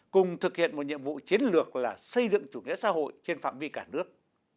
cùng thực hiện một nhiệm vụ chiến lược là xây dựng chủ nghĩa xã hội trên phạm vi cả nước